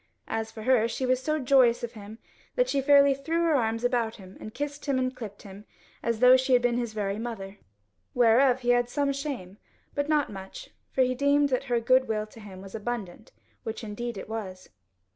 As for her, she was so joyous of him that she fairly threw her arms about him and kissed and clipped him, as though she had been his very mother. Whereof he had some shame, but not much, for he deemed that her goodwill to him was abundant, which indeed it was.